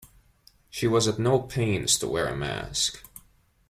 She was at no pains to wear a mask.